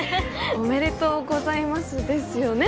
おめでとうございますですよね？